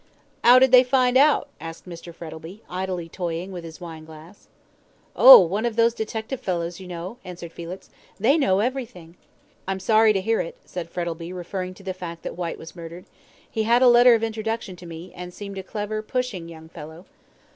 "How did they find out?" asked Mr. Frettlby, idly toying with his wine glass. "Oh, one of those detective fellows, you know," answered Felix. "They know everything." "I'm sorry to hear it," said Frettlby, referring to the fact that Whyte was murdered. "He had a letter of introduction to me, and seemed a clever, pushing young fellow."